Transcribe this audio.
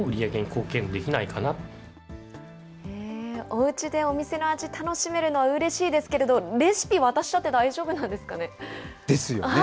おうちでお店の味を楽しめるのうれしいですけれど、レシピ渡しちゃって大丈夫なんですかね。